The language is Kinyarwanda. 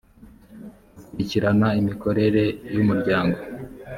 akurikirana imikorere y umuryango